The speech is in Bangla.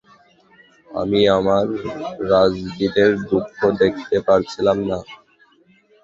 আমি আমার রাজবীরের দুঃখ দেখতে পারছিলাম না।